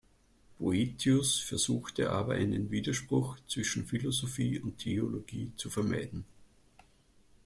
Boetius versuchte aber einen Widerspruch zwischen Philosophie und Theologie zu vermeiden.